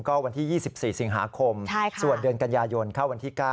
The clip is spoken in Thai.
ก็วันที่๒๔สิงหาคมส่วนเดือนกันยายนเข้าวันที่๙